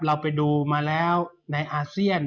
เราไปดูมาแล้วในอาเซียน